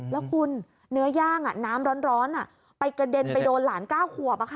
แล้วคุณเนื้อย่างน้ำร้อนไปกระเด็นไปโดนหลาน๙ขวบ